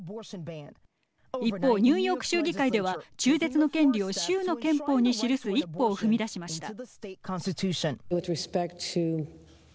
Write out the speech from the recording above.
一方、ニューヨーク州議会では中絶の権利を州の憲法に記す一歩を踏み出しました。